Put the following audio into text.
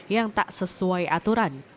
yang tak sesuai aturan